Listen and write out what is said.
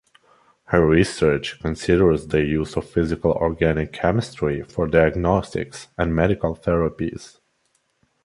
Her research considers the use of physical organic chemistry for diagnostics and medical therapies.